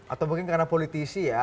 atau mungkin karena politisi ya